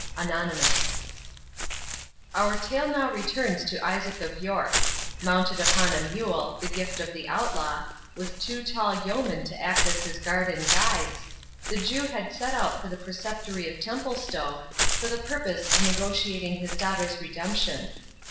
ANONYMUS Our tale now returns to Isaac of York.—Mounted upon a mule, the gift of the Outlaw, with two tall yeomen to act as his guard and guides, the Jew had set out for the Preceptory of Templestowe, for the purpose of negotiating his daughter's redemption.